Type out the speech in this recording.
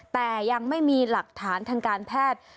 แต่ยังไม่มีหลักฐานทางการแพทย์